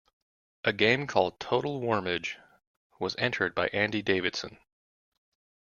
A game called "Total Wormage" was entered by Andy Davidson.